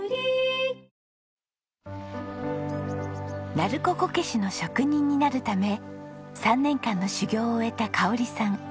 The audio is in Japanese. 鳴子こけしの職人になるため３年間の修業を終えた香さん。